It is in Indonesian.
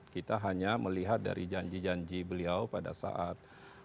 kita hanya melihat dari janji janji beliau pada saat